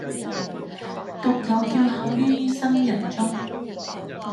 獨有叫喊于生人中，